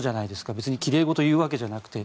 別に奇麗事を言うわけじゃなくて。